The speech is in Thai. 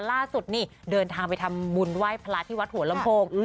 ล่าสุดนี่เดินทางไปทำบุญไหว้พระที่วัดหัวลำโพง